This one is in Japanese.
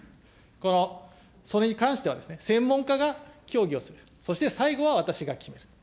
このそれに関しては、専門家が協議をすると、そして最後は私が決める。